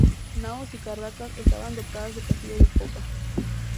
Naos y carracas estaban dotadas de castillo de popa.